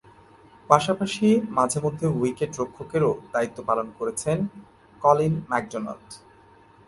পাশাপাশি মাঝে-মধ্যে উইকেট-রক্ষকেরও দায়িত্ব পালন করেছেন কলিন ম্যাকডোনাল্ড।